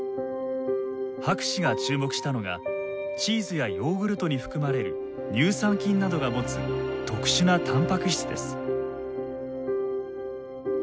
博士が注目したのがチーズやヨーグルトに含まれる乳酸菌などが持つ特殊なたんぱく質です。